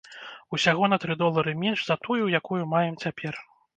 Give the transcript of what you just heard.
Усяго на тры долары менш за тую, якую маем цяпер.